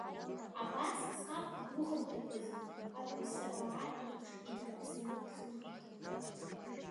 Абас саб игәыӷырҭақәа зегь аҳәасабаа еиԥш инкаԥсаны дхынҳәит.